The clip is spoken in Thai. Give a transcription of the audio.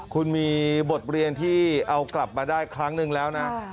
คุณมีบทเรียนที่เอากลับมาได้ครั้งนึงแล้วนะ